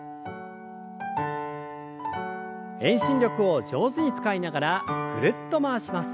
遠心力を上手に使いながらぐるっと回します。